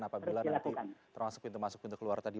apabila nanti termasuk pintu masuk pintu keluar tadi